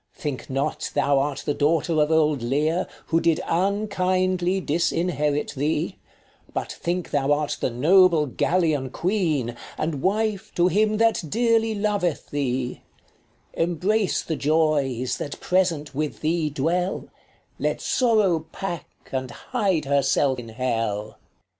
Think not thou art the daughter of old Leir, Who did unkindly disinherit thee : But think thou art the noble Gallian queen, 25 And wife to him that dearly loveth thee : Embrace the joys that present with thee dwell, Let sorrow pack and hide herself in hell.